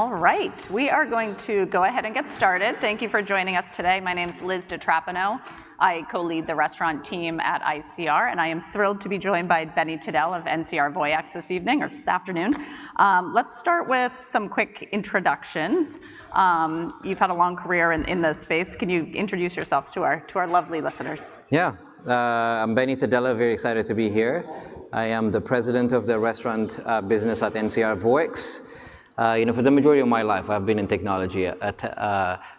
All right, we are going to go ahead and get started. Thank you for joining us today. My name is Liz DiTrapano. I co-lead the Restaurant Team at ICR, and I am thrilled to be joined by Benny Tadele of NCR Voyix this evening or this afternoon. Let's start with some quick introductions. You've had a long career in this space. Can you introduce yourself to our lovely listeners? Yeah, I'm Benny Tadele. I'm very excited to be here. I am the President of the Restaurant business at NCR Voyix. You know, for the majority of my life, I've been in technology, a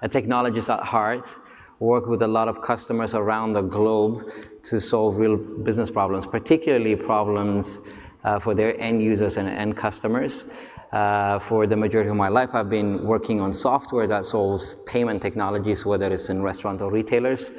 technologist at heart. I work with a lot of customers around the globe to solve real business problems, particularly problems for their end users and end customers. For the majority of my life, I've been working on software that solves payment technologies, whether it's in restaurant or retailers,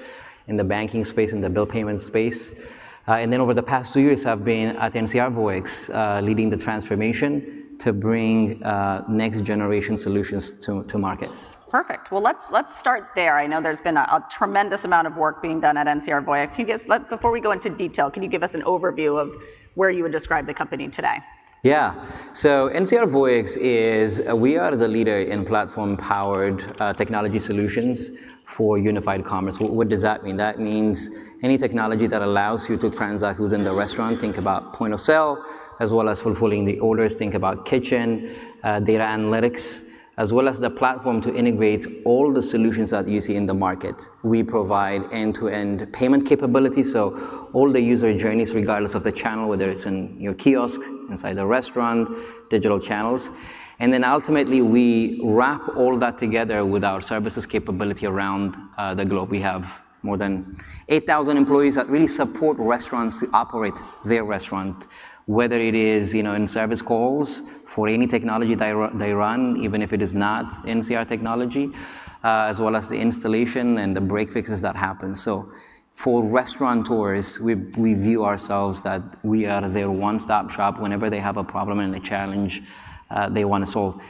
in the banking space, in the bill payment space. And then over the past two years, I've been at NCR Voyix leading the transformation to bring next generation solutions to market. Perfect. Well, let's start there. I know there's been a tremendous amount of work being done at NCR Voyix. Before we go into detail, can you give us an overview of where you would describe the company today? Yeah, so NCR Voyix is. We are the leader in platform powered technology solutions for unified commerce. What does that mean? That means any technology that allows you to transact within the restaurant. Think about point of sale as well as fulfilling the orders. Think about kitchen data analytics, as well as the platform to integrate all the solutions that you see in the market. We provide end-to-end payment capability, so all the user journeys, regardless of the channel, whether it's in your kiosk, inside the restaurant, digital channels, and then ultimately, we wrap all that together with our services capability around the globe. We have more than 8,000 employees that really support restaurants to operate their restaurant, whether it is in service calls for any technology they run, even if it is not NCR technology, as well as the installation and the break fixes that happen. So for restaurateurs, we view ourselves that we are their one-stop shop whenever they have a problem and a challenge they want to solve.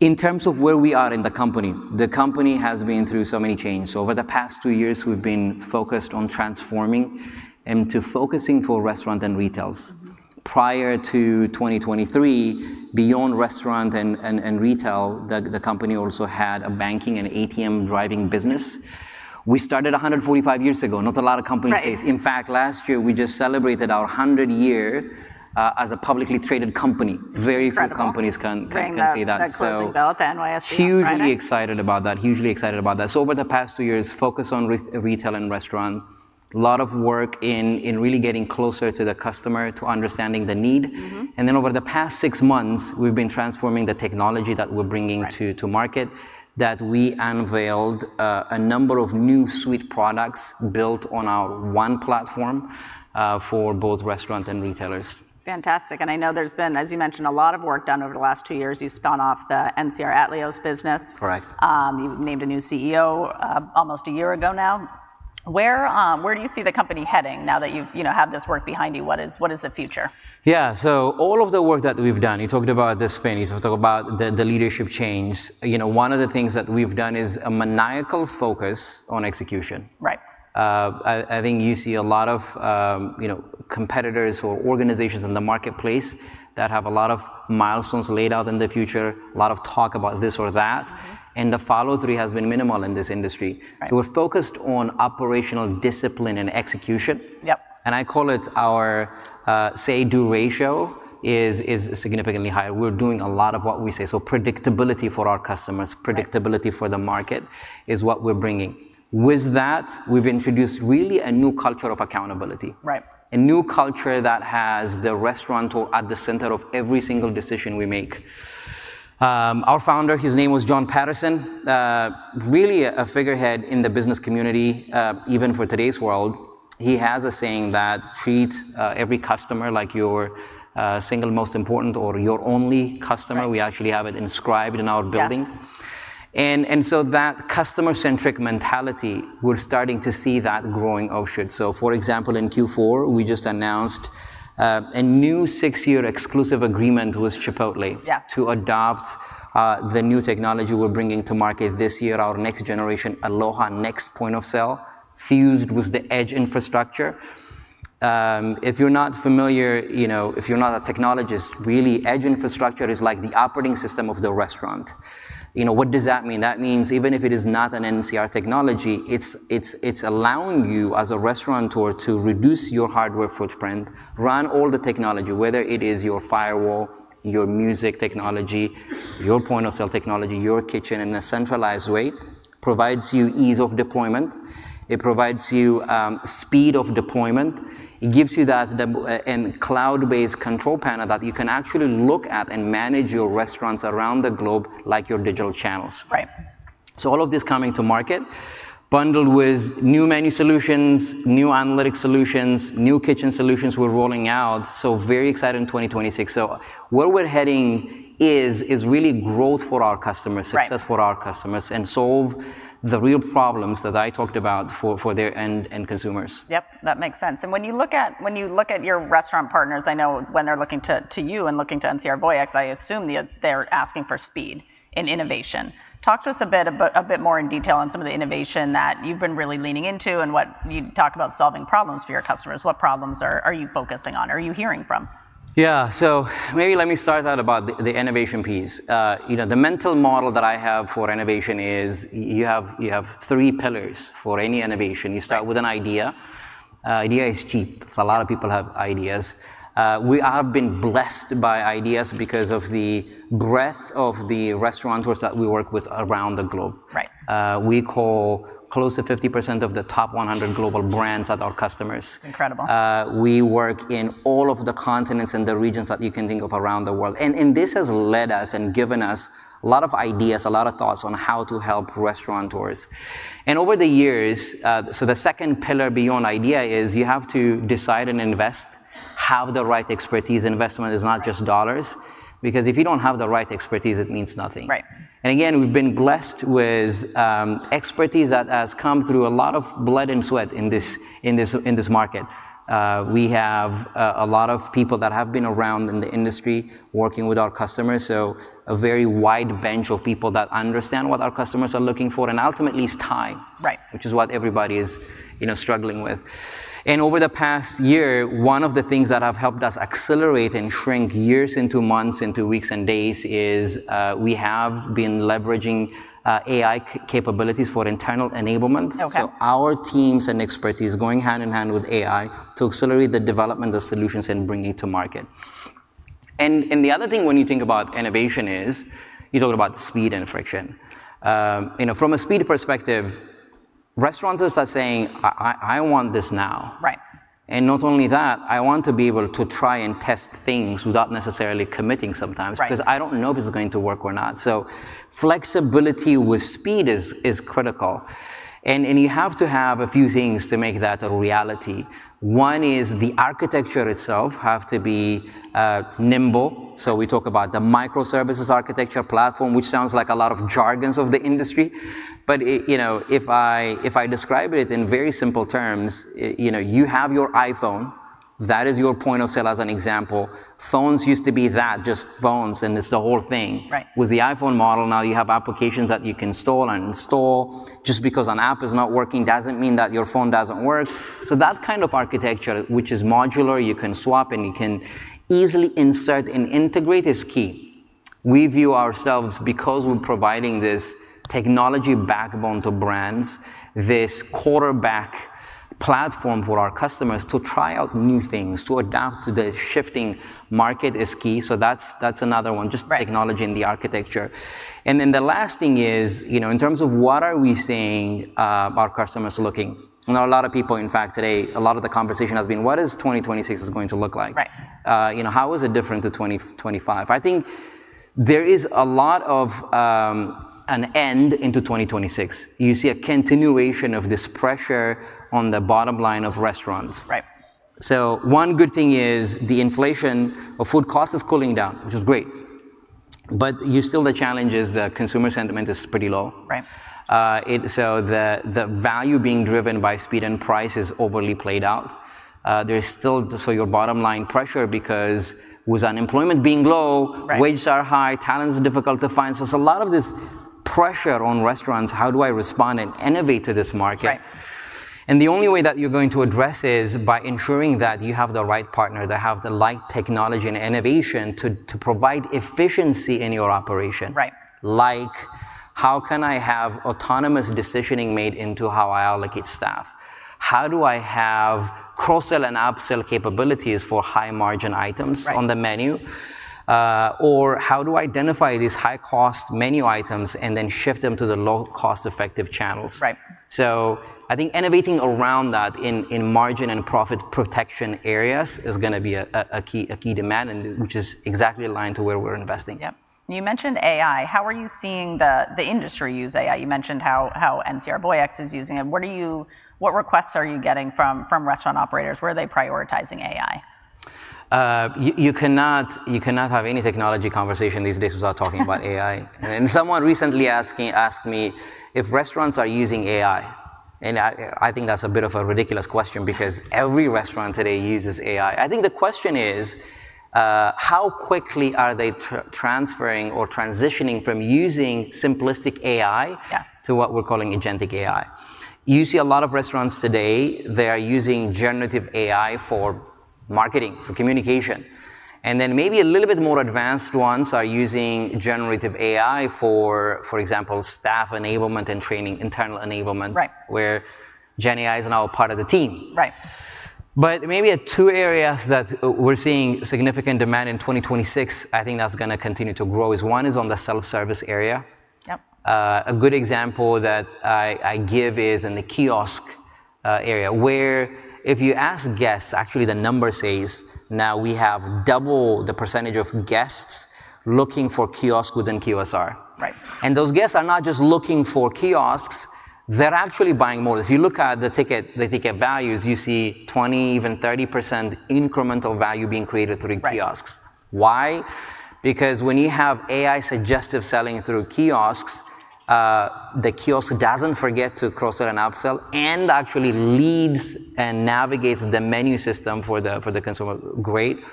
In terms of where we are in the company, the company has been through so many changes. So over the past two years, we've been focused on transforming and to focusing for restaurant and retail. Prior to 2023, beyond Restaurant and Retail, the company also had a Banking and ATM business. We started 145 years ago. Not a lot of companies say. In fact, last year, we just celebrated our 100 years as a publicly traded company. Very few companies can say that. Excited about that. Hugely excited about that. Hugely excited about that. So over the past two years, focus on retail and restaurant, a lot of work in really getting closer to the customer, to understanding the need. And then over the past six months, we've been transforming the technology that we're bringing to market, that we unveiled a number of new suite products built on our one platform for both restaurant and retailers. Fantastic. And I know there's been, as you mentioned, a lot of work done over the last two years. You spun off the NCR Atleos business. Correct. You named a new CEO almost a year ago now. Where do you see the company heading now that you have this work behind you? What is the future? Yeah, so all of the work that we've done, you talked about the spin, you talked about the leadership change. One of the things that we've done is a maniacal focus on execution. Right. I think you see a lot of competitors or organizations in the marketplace that have a lot of milestones laid out in the future, a lot of talk about this or that, and the follow through has been minimal in this industry. We're focused on operational discipline and execution. Yep. And I call it our say-do ratio is significantly higher. We're doing a lot of what we say. So predictability for our customers, predictability for the market is what we're bringing. With that, we've introduced really a new culture of accountability. Right. A new culture that has the restaurant at the center of every single decision we make. Our founder, his name was John Patterson, really a figurehead in the business community, even for today's world. He has a saying that treat every customer like your single most important or your only customer. We actually have it inscribed in our building. Yes. And so that customer-centric mentality, we're starting to see that growing offshore. So for example, in Q4, we just announced a new six-year exclusive agreement with Chipotle to adopt the new technology we're bringing to market this year, our next-generation Aloha Next point of sale fused with the edge infrastructure. If you're not familiar, if you're not a technologist, really edge infrastructure is like the operating system of the restaurant. What does that mean? That means even if it is not an NCR technology, it's allowing you as a restaurateur to reduce your hardware footprint, run all the technology, whether it is your firewall, your music technology, your point of sale technology, your kitchen in a centralized way, provides you ease of deployment. It provides you speed of deployment. It gives you that cloud-based control panel that you can actually look at and manage your restaurants around the globe like your digital channels. Right. So, all of this coming to market bundled with new menu solutions, new analytics solutions, new kitchen solutions we're rolling out. So, very exciting 2026. So, where we're heading is really growth for our customers, success for our customers, and solve the real problems that I talked about for their end consumers. Yep, that makes sense, and when you look at your restaurant partners, I know when they're looking to you and looking to NCR Voyix, I assume they're asking for speed and innovation. Talk to us a bit more in detail on some of the innovation that you've been really leaning into and what you talk about solving problems for your customers. What problems are you focusing on? Are you hearing from? Yeah, so maybe let me start out about the innovation piece. The mental model that I have for innovation is you have three pillars for any innovation. You start with an idea. Idea is cheap. So a lot of people have ideas. We have been blessed by ideas because of the breadth of the restaurateurs that we work with around the globe. Right. We call close to 50% of the top 100 global brands that are customers. That's incredible. We work in all of the continents and the regions that you can think of around the world, and this has led us and given us a lot of ideas, a lot of thoughts on how to help restaurateurs, and over the years, so the second pillar beyond idea is you have to decide and invest, have the right expertise. Investment is not just dollars because if you don't have the right expertise, it means nothing. Right. And again, we've been blessed with expertise that has come through a lot of blood and sweat in this market. We have a lot of people that have been around in the industry working with our customers. So a very wide bench of people that understand what our customers are looking for. And ultimately, it's time, which is what everybody is struggling with. And over the past year, one of the things that have helped us accelerate and shrink years into months, into weeks and days is we have been leveraging AI capabilities for internal enablements. So our teams and expertise going hand in hand with AI to accelerate the development of solutions and bringing it to market. And the other thing when you think about innovation is you talk about speed and friction. From a speed perspective, restaurants are saying, "I want this now. Right. Not only that, I want to be able to try and test things without necessarily committing sometimes because I don't know if it's going to work or not. Flexibility with speed is critical. You have to have a few things to make that a reality. One is the architecture itself has to be nimble. We talk about the microservices architecture platform, which sounds like a lot of jargon of the industry. But if I describe it in very simple terms, you have your iPhone. That is your point of sale as an example. Phones used to be that, just phones, and it's the whole thing. Right. With the iPhone model, now you have applications that you can install and install. Just because an app is not working doesn't mean that your phone doesn't work. So that kind of architecture, which is modular, you can swap and you can easily insert and integrate is key. We view ourselves because we're providing this technology backbone to brands, this quarterback platform for our customers to try out new things, to adapt to the shifting market is key. So that's another one, just technology and the architecture. And then the last thing is in terms of what are we seeing our customers looking? A lot of people, in fact, today, a lot of the conversation has been, what is 2026 going to look like? Right. How is it different to 2025? I think there is a lot of an end into 2026. You see a continuation of this pressure on the bottom line of restaurants. Right. So one good thing is the inflation of food cost is cooling down, which is great. But you still, the challenge is the consumer sentiment is pretty low. Right. So the value being driven by speed and price is overly played out. There's still your bottom line pressure because with unemployment being low, wages are high, talent is difficult to find. So there's a lot of this pressure on restaurants. How do I respond and innovate to this market? Right. The only way that you're going to address is by ensuring that you have the right partner that have the right technology and innovation to provide efficiency in your operation. Right. Like how can I have autonomous decisioning made into how I allocate staff? How do I have cross-sell and upsell capabilities for high margin items on the menu? Or how do I identify these high-cost menu items and then shift them to the low-cost effective channels? Right. So I think innovating around that in margin and profit protection areas is going to be a key demand, which is exactly aligned to where we're investing. Yeah. You mentioned AI. How are you seeing the industry use AI? You mentioned how NCR Voyix is using it. What requests are you getting from restaurant operators? Where are they prioritizing AI? You cannot have any technology conversation these days without talking about AI. And someone recently asked me if restaurants are using AI. And I think that's a bit of a ridiculous question because every restaurant today uses AI. I think the question is how quickly are they transferring or transitioning from using simplistic AI to what we're calling agentic AI? You see a lot of restaurants today, they are using generative AI for marketing, for communication. And then maybe a little bit more advanced ones are using generative AI for example, staff enablement and training, internal enablement, where Gen AI is now a part of the team. Right. But maybe two areas that we're seeing significant demand in 2026, I think that's going to continue to grow, is one is on the self-service area. Yep. A good example that I give is in the kiosk area where if you ask guests, actually the number says now we have double the percentage of guests looking for kiosk within QSR. Right. Those guests are not just looking for kiosks. They're actually buying more. If you look at the ticket values, you see 20%, even 30% incremental value being created through kiosks. Right. Why? Because when you have AI suggestive selling through kiosks, the kiosk doesn't forget to cross-sell and upsell and actually leads and navigates the menu system for the consumer. Great.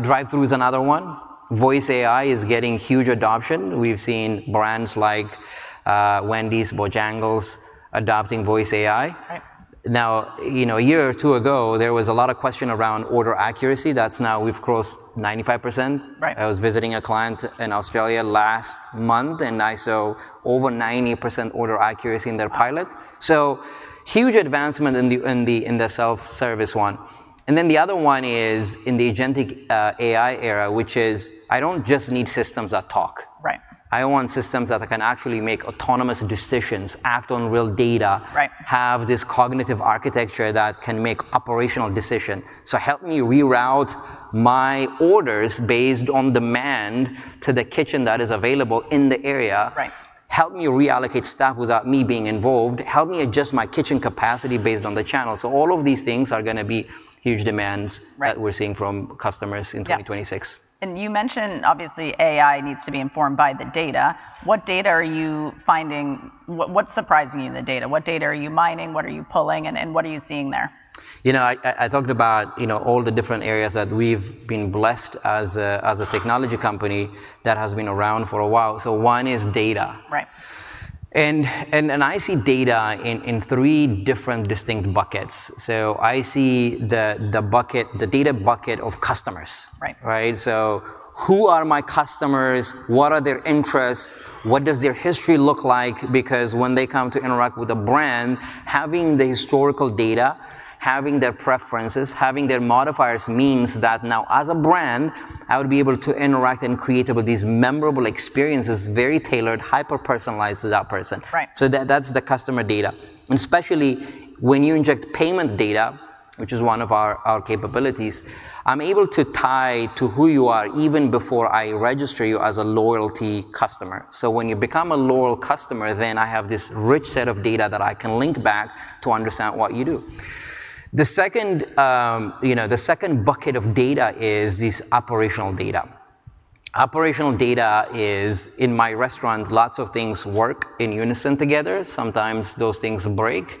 Drive-thru is another one. Voice AI is getting huge adoption. We've seen brands like Wendy's, Bojangles adopting voice AI. Right. Now, a year or two ago, there was a lot of question around order accuracy. That's now. We've crossed 95%. Right. I was visiting a client in Australia last month, and I saw over 90% order accuracy in their pilot. So huge advancement in the self-service one. And then the other one is in the agentic AI era, which is I don't just need systems that talk. Right. I want systems that can actually make autonomous decisions, act on real data. Right. Have this cognitive architecture that can make operational decisions. So, help me reroute my orders based on demand to the kitchen that is available in the area. Right. Help me reallocate staff without me being involved. Help me adjust my kitchen capacity based on the channel, so all of these things are going to be huge demands that we're seeing from customers in 2026. And you mentioned obviously AI needs to be informed by the data. What data are you finding? What's surprising you in the data? What data are you mining? What are you pulling? And what are you seeing there? You know, I talked about all the different areas that we've been blessed as a technology company that has been around for a while, so one is data. Right. And I see data in three different distinct buckets. So I see the data bucket of customers. Right. Right? So who are my customers? What are their interests? What does their history look like? Because when they come to interact with a brand, having the historical data, having their preferences, having their modifiers means that now as a brand, I would be able to interact and create these memorable experiences, very tailored, hyper-personalized to that person. Right. So that's the customer data. And especially when you inject payment data, which is one of our capabilities, I'm able to tie to who you are even before I register you as a loyalty customer. So when you become a loyal customer, then I have this rich set of data that I can link back to understand what you do. The second bucket of data is this operational data. Operational data is in my restaurant, lots of things work in unison together. Sometimes those things break.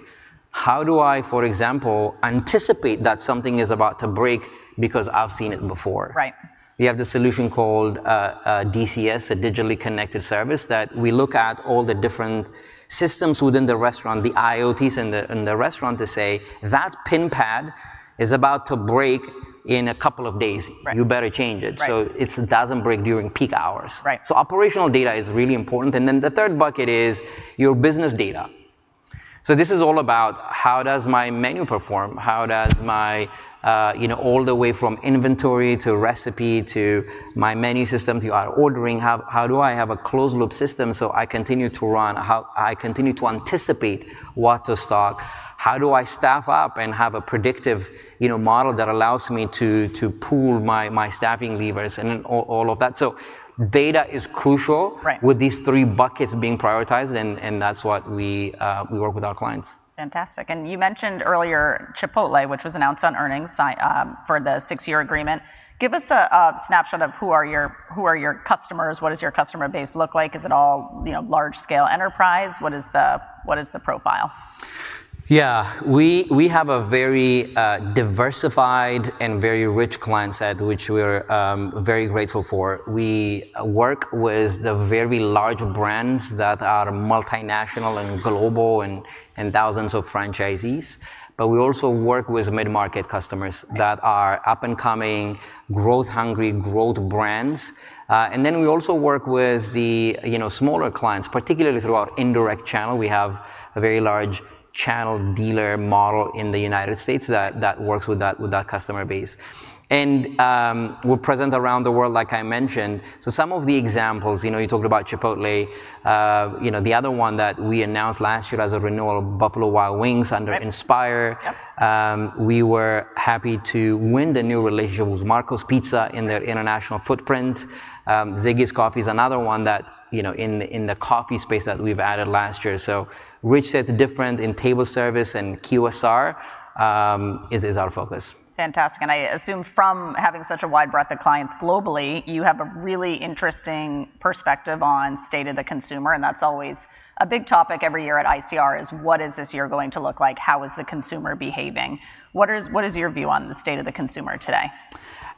How do I, for example, anticipate that something is about to break because I've seen it before? Right. We have the solution called DCS, a digitally connected service that we look at all the different systems within the restaurant, the IoTs in the restaurant to say that PIN pad is about to break in a couple of days. Right. You better change it. Right. It doesn't break during peak hours. Right. So operational data is really important. And then the third bucket is your business data. So this is all about how does my menu perform? How does my all the way from inventory to recipe to my menu system to our ordering? How do I have a closed-loop system so I continue to run? I continue to anticipate what to stock? How do I staff up and have a predictive model that allows me to pull my staffing levers and all of that? So data is crucial. Right. With these three buckets being prioritized, and that's what we work with our clients. Fantastic. And you mentioned earlier Chipotle, which was announced on earnings for the six-year agreement. Give us a snapshot of who are your customers? What does your customer base look like? Is it all large-scale enterprise? What is the profile? Yeah, we have a very diversified and very rich client set, which we're very grateful for. We work with the very large brands that are multinational and global and 1000s of franchisees, but we also work with mid-market customers that are up-and-coming, growth-hungry, growth brands, and then we also work with the smaller clients, particularly throughout indirect channel. We have a very large channel dealer model in the United States that works with that customer base, and we're present around the world, like I mentioned, so some of the examples, you talked about Chipotle. The other one that we announced last year as a renewal, Buffalo Wild Wings under Inspire. Yep. We were happy to win the new relationship with Marco's Pizza in their international footprint. Ziggi's Coffee is another one that in the coffee space that we've added last year. So rich yet different in table service and QSR is our focus. Fantastic. And I assume from having such a wide breadth of clients globally, you have a really interesting perspective on state of the consumer. And that's always a big topic every year at ICR: what is this year going to look like? How is the consumer behaving? What is your view on the state of the consumer today?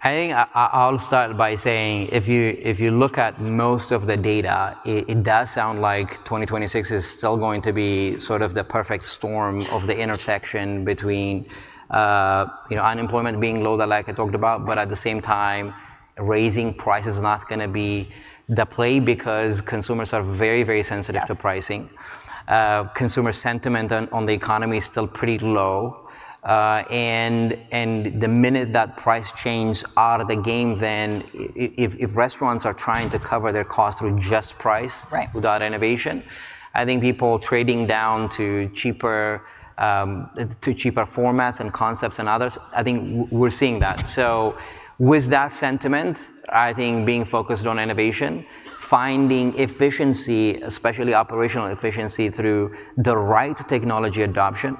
I think I'll start by saying if you look at most of the data, it does sound like 2026 is still going to be sort of the perfect storm of the intersection between unemployment being low, like I talked about, but at the same time, raising prices is not going to be the play because consumers are very, very sensitive to pricing. Right. Consumer sentiment on the economy is still pretty low. And the minute that price changes out of the game, then if restaurants are trying to cover their costs through just price without innovation, I think people trading down to cheaper formats and concepts and others. I think we're seeing that. So with that sentiment, I think being focused on innovation, finding efficiency, especially operational efficiency through the right technology adoption,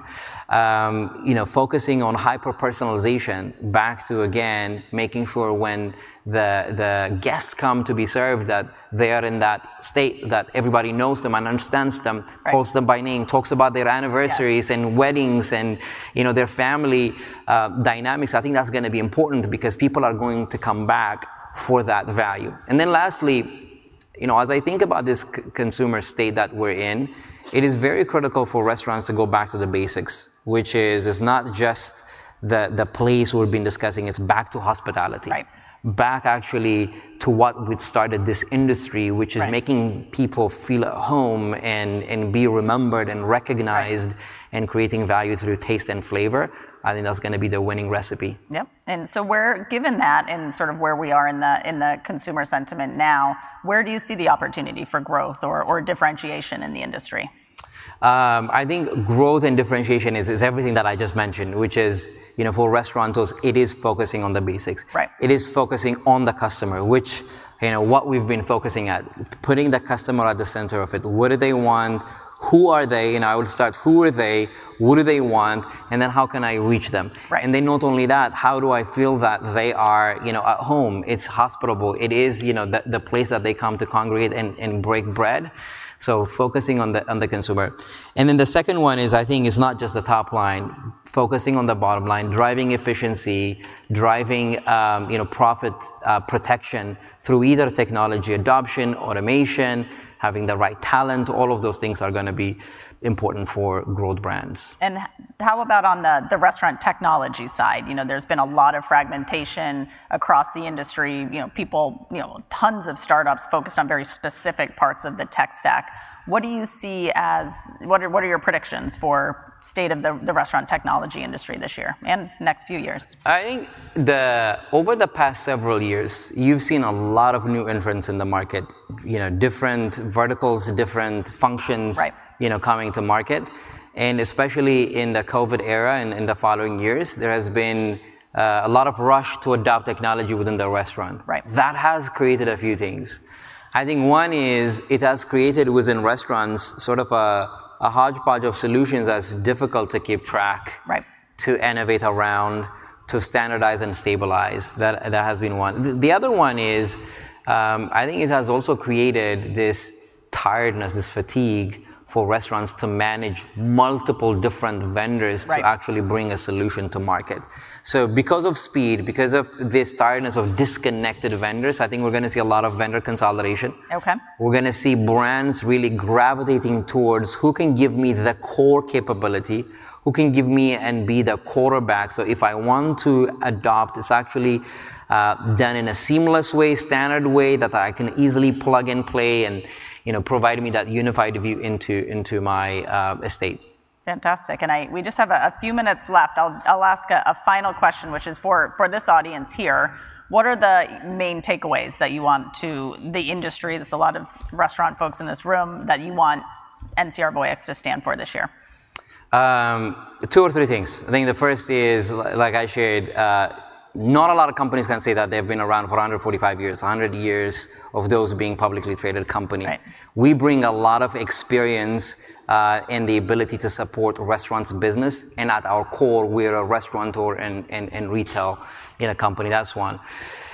focusing on hyper-personalization back to, again, making sure when the guests come to be served that they are in that state that everybody knows them and understands them, calls them by name, talks about their anniversaries and weddings and their family dynamics. I think that's going to be important because people are going to come back for that value. And then lastly, as I think about this consumer state that we're in, it is very critical for restaurants to go back to the basics, which is it's not just the place we've been discussing. It's back to hospitality. Right. Back actually to what we started this industry, which is making people feel at home and be remembered and recognized and creating value through taste and flavor. I think that's going to be the winning recipe. Yep. And so given that and sort of where we are in the consumer sentiment now, where do you see the opportunity for growth or differentiation in the industry? I think growth and differentiation is everything that I just mentioned, which is for restaurants, it is focusing on the basics. Right. It is focusing on the customer, which is what we've been focusing on, putting the customer at the center of it. What do they want? Who are they? I would start, who are they? What do they want? And then how can I reach them? Right. And then, not only that, how do I feel that they are at home? It's hospitable. It is the place that they come to congregate and break bread. So, focusing on the consumer. And then the second one is, I think it's not just the top line. Focusing on the bottom line, driving efficiency, driving profit protection through either technology adoption, automation, having the right talent. All of those things are going to be important for growth brands. How about on the restaurant technology side? There's been a lot of fragmentation across the industry. Tons of startups focused on very specific parts of the tech stack. What do you see as your predictions for the state of the restaurant technology industry this year and next few years? I think over the past several years, you've seen a lot of new entrants in the market, different verticals, different functions coming to market, and especially in the COVID era and in the following years, there has been a lot of rush to adopt technology within the restaurant. Right. That has created a few things. I think one is it has created within restaurants sort of a hodgepodge of solutions that's difficult to keep track, to innovate around, to standardize and stabilize. That has been one. The other one is I think it has also created this tiredness, this fatigue for restaurants to manage multiple different vendors to actually bring a solution to market. So because of speed, because of this tiredness of disconnected vendors, I think we're going to see a lot of vendor consolidation. Okay. We're going to see brands really gravitating towards who can give me the core capability, who can give me and be the quarterback, so if I want to adopt, it's actually done in a seamless way, standard way that I can easily plug and play and provide me that unified view into my estate. Fantastic. And we just have a few minutes left. I'll ask a final question, which is for this audience here. What are the main takeaways that you want to the industry? There's a lot of restaurant folks in this room that you want NCR Voyix to stand for this year. Two or three things. I think the first is, like I shared, not a lot of companies can say that they've been around for 145 years, 100 years of those being publicly traded companies. Right. We bring a lot of experience and the ability to support restaurants' business. And at our core, we're a restaurant and retail company. That's one.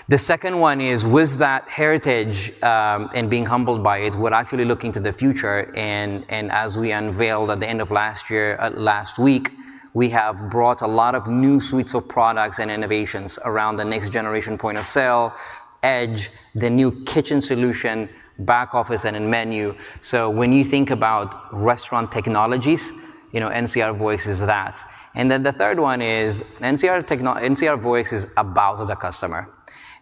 The second one is with that heritage and being humbled by it, we're actually looking to the future. And as we unveiled at the end of last year, last week, we have brought a lot of new suites of products and innovations around the next generation point of sale, edge, the new kitchen solution, back office, and in menu. So when you think about restaurant technologies, NCR Voyix is that. And then the third one is NCR Voyix is about the customer.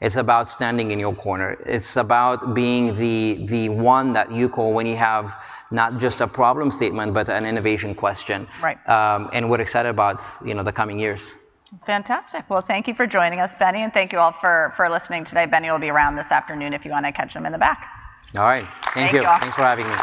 It's about standing in your corner. It's about being the one that you call when you have not just a problem statement, but an innovation question. Right. We're excited about the coming years. Fantastic. Well, thank you for joining us, Benny, and thank you all for listening today. Benny will be around this afternoon if you want to catch him in the back. All right. Thank you. Thanks for having me.